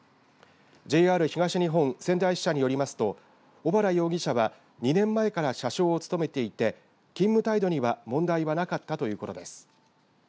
ＪＲ東日本仙台支社によりますと小原容疑者は２年前から車掌を務めていて勤務態度には問題はなかったということです。